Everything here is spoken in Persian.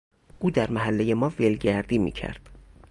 او در محلهی ما ولگردی میکرد.